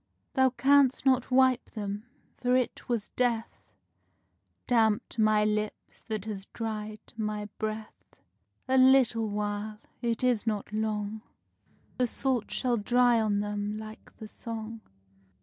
Thou can'st not wipe them; for it was Death Damped my lips that has dried my breath. A little while it is not long The salt shall dry on them like the song.